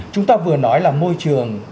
chúng ta vừa nói là môi trường của người lớn